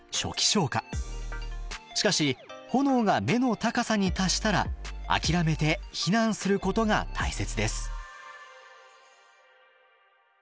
しかし炎が目の高さに達したら諦めて避難することが大切です。